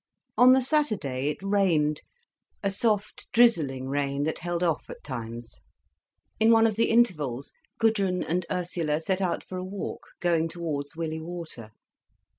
On the Saturday it rained, a soft drizzling rain that held off at times. In one of the intervals Gudrun and Ursula set out for a walk, going towards Willey Water.